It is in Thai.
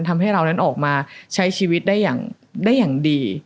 ทำให้เรานั้นออกมาใช้ชีวิตได้อย่างดี